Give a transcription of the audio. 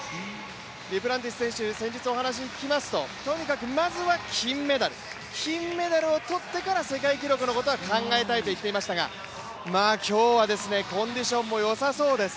デュプランティス選手、先日お話聞きますととにかくまずは金メダル、金メダルを取ってから世界記録のことは考えたいと言っていましたが今日はコンディションもよさそうです。